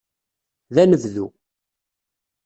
D anebdu.